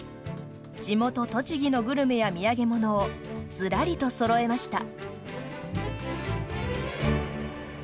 地元栃木のグルメや土産物をずらりとそろえました。